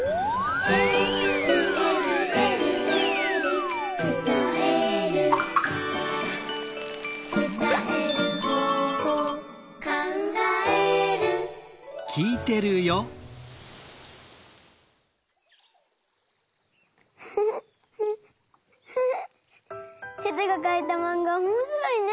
「えるえるえるえる」「つたえる」「つたえる方法」「かんがえる」テテがかいたマンガおもしろいね！